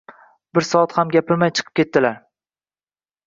Bir soat ham o`tirmay, chiqib ketdilar